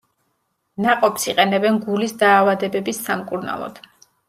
ნაყოფს იყენებენ გულის დაავადებების სამკურნალოდ.